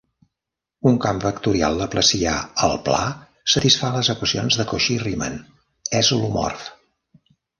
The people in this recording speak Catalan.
Un camp vectorial laplacià al pla satisfà les equacions de Cauchy-Riemann: és holomorf.